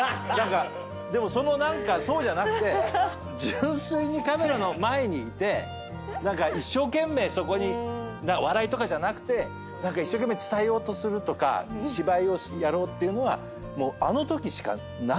でもそうじゃなくて純粋にカメラの前にいて一生懸命そこに笑いとかじゃなくて一生懸命伝えようとするとか芝居をやろうっていうのはもうあのときしかなんないのよ。